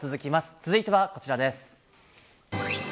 続いては、こちらです。